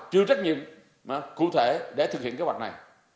chịu trách nhiệm cụ thể để thực hiện kế hoạch này